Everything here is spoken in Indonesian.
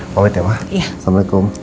wabid ya mak assalamualaikum